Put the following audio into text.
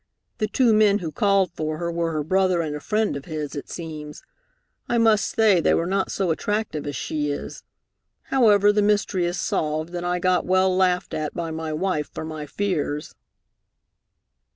The two men who called for her were her brother and a friend of his, it seems. I must say they were not so attractive as she is. However, the mystery is solved, and I got well laughed at by my wife for my fears."